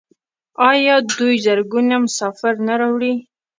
آیا دوی زرګونه مسافر نه راوړي؟